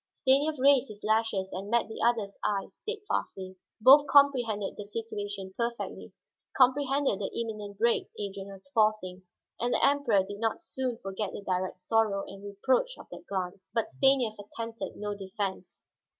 Stanief raised his lashes and met the other's eyes steadfastly. Both comprehended the situation perfectly, comprehended the imminent break Adrian was forcing. And the Emperor did not soon forget the direct sorrow and reproach of that glance. But Stanief attempted no defense.